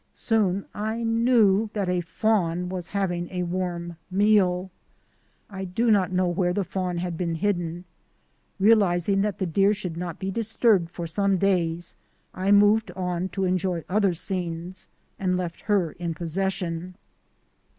Soon I knew that a fawn was having a warm meal. I do not know where the fawn had been hidden. Real izing that the deer should not be disturbed for some days I moved on to enjoy other scenes and left her in possession.